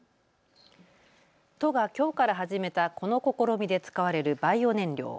都がきょうから始めたこの試みで使われるバイオ燃料。